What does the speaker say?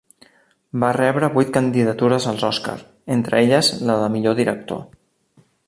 Va rebre vuit candidatures als Oscar, entre elles la de millor director.